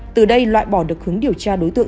từ đây loại bỏ được hướng điều tra đối tượng